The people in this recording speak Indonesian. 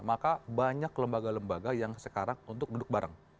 maka banyak lembaga lembaga yang sekarang untuk duduk bareng